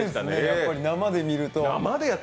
やっぱり生で見ると。